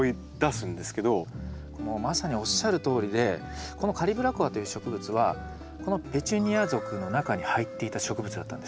もうまさにおっしゃるとおりでこのカリブラコアという植物はペチュニア属の中に入っていた植物だったんです。